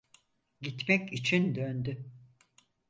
Gitmek için döndü.